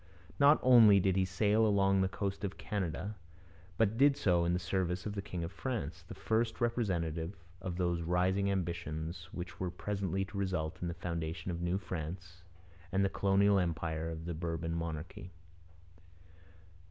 Not only did he sail along the coast of Canada, but did so in the service of the king of France, the first representative of those rising ambitions which were presently to result in the foundation of New France and the colonial empire of the Bourbon monarchy.